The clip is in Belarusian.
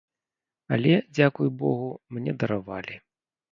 Але, дзякуй богу, мне даравалі.